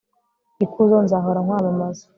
ikuzo, nzahora nkwamamaza